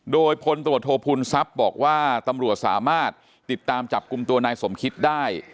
โดยพลตรวจโทษภูมิทรัพย์บอกว่าตำรวจสามารถติดตามจับกลุ่มตัวนายสมคิตได้